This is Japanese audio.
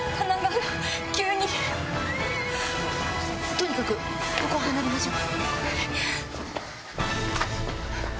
とにかくここを離れましょう。